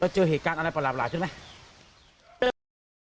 เจอเหตุการณ์อะไรประหลาดใช่ไหม